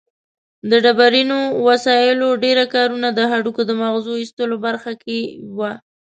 د ډبرینو وسایلو ډېره کارونه د هډوکو د مغزو ایستلو برخه کې وه.